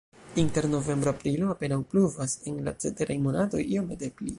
Inter novembro-aprilo apenaŭ pluvas, en la ceteraj monatoj iomete pli.